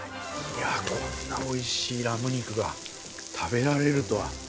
こんな美味しいラム肉が食べられるとは。